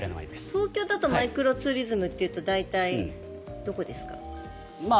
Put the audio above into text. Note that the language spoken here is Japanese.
東京だとマイクロツーリズムというと大体どこですか？